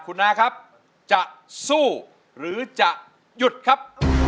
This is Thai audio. คุณอาครับจะสู้หรือจะหยุดครับ